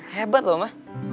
hebat loh ma